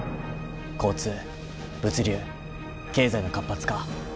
交通物流経済の活発化。